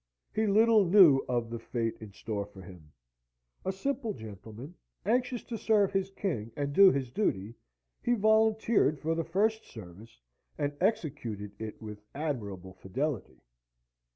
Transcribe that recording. He little knew of the fate in store for him. A simple gentleman, anxious to serve his king and do his duty, he volunteered for the first service, and executed it with admirable fidelity.